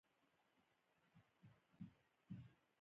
دوی غواړي چې نړۍ وېشنه بیا له سره پیل شي